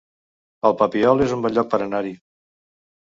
El Papiol es un bon lloc per anar-hi